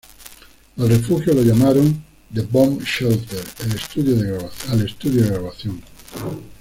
Al refugio lo llamaron "The Bomb Shelter" al estudio de grabación.